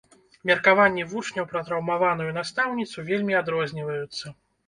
Меркаванні вучняў пра траўмаваную настаўніцу вельмі адрозніваюцца.